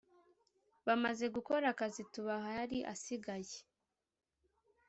bamaze gukora akazi tubaha ayari asigaye